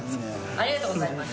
ありがとうございます。